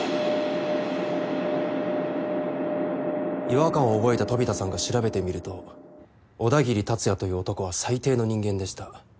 違和感を覚えた飛田さんが調べてみると小田切達也という男は最低の人間でした。